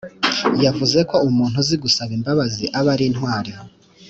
yavuze ku umuntu uzi gusaba imbabazi aba ari intwari